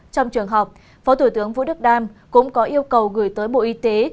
trong trường họp phó thủ tướng vũ đức đam cũng có yêu cầu gửi tới bộ y tế